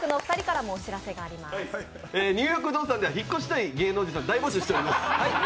「ニューヨーク不動産」では引っ越したい芸人を大募集しています。